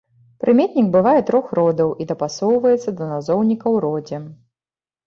Прыметнік бывае трох родаў і дапасоўваецца да назоўніка ў родзе.